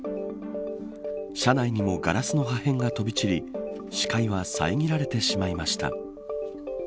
車内にもガラスの破片が飛び散り視界は遮られてしまいました。